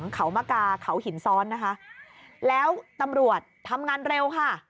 เขามากาเขาหินซ้อนนะคะแล้วตำรวจทำงานเร็วค่ะ